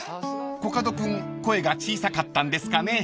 ［コカド君声が小さかったんですかね？］